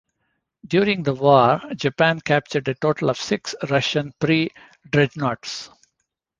During the war, Japan captured a total of six Russian pre-dreadnoughts.